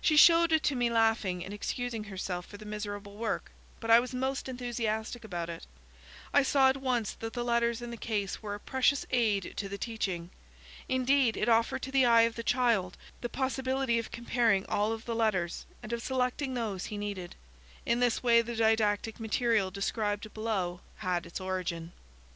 She showed it to me laughing, and excusing herself for the miserable work, but I was most enthusiastic about it. I saw at once that the letters in the case were a precious aid to the teaching. Indeed, it offered to the eye of the child the possibility of comparing all of the letters, and of selecting those he needed. In this way the didactic material described below had its origin.